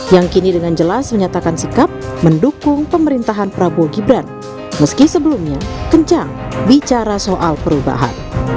yang kini dengan jelas menyatakan sikap mendukung pemerintahan prabowo gibran meski sebelumnya kencang bicara soal perubahan